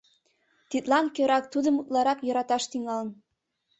Тидлан кӧрак Тудым утларак йӧраташ тӱҥалын.